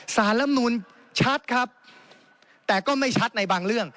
สารลำนูนชัดครับแต่ก็ไม่ชัดในบางเรื่อง